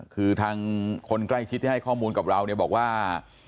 คือทางคนใกล้ชิดที่ให้ข้อมูลกับเราเนี่ยบอกว่า